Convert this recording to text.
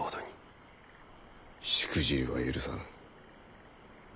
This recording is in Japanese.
しくじりは許さぬ。